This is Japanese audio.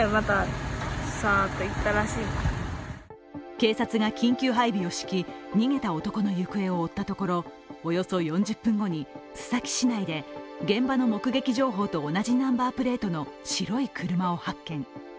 警察が緊急配備を敷き、逃げた男の行方を追ったところ、およそ４０分後に須崎市内で現場の目撃情報と同じナンバープレートの白い車を発見。